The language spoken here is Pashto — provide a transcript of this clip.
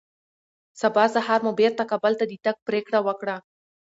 سبا سهار مو بېرته کابل ته د تګ پرېکړه وکړه